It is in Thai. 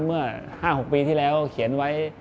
เมื่อ๕๖ปีที่แล้วเขียนไว้